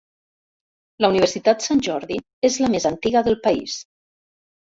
La Universitat Sant Jordi és la més antiga del país.